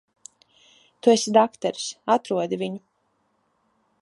Tu esi dakteris. Atrodi viņu.